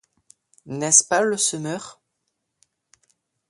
N'est-ce pas le Semeur?